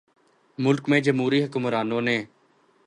ملک میں جمہوری حکمرانوں نے